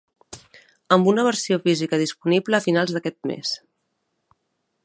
Amb una versió física disponible a finals d'aquest mes.